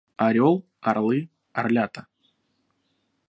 Орёл, орлы, орлята.